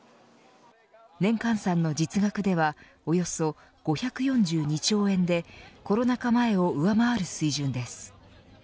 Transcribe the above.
年換算の実額ではおよそ５４２兆円でコロナ禍前を上回る水準です。